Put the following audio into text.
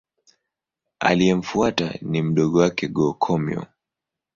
Aliyemfuata ni mdogo wake Go-Komyo.